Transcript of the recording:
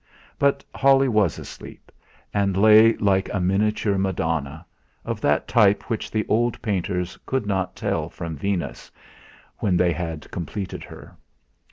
But Holly was asleep, and lay like a miniature Madonna, of that type which the old painters could not tell from Venus, when they had completed her.